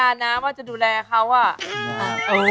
มีน้ำดูแลของเชฟ